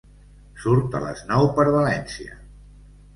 Surt a les nou per València.